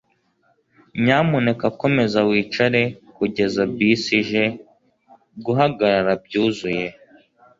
nyamuneka komeza wicare kugeza bisi ije guhagarara byuzuye